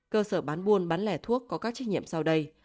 cơ sở bán buôn bán lẻ thuốc có các trách nhiệm sau đây